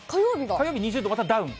火曜日２０度、またダウン。